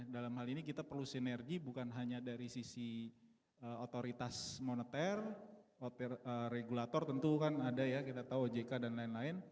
dalam hal ini kita perlu sinergi bukan hanya dari sisi otoritas moneter regulator tentu kan ada ya kita tahu ojk dan lain lain